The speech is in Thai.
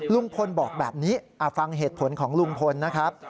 ลุงพลบอกแบบนี้ฟังเหตุผลของลุงพลนะครับ